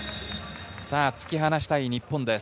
突き放したい日本です。